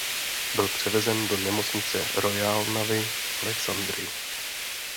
Byl převezen do nemocnice Royal Navy v Alexandrii.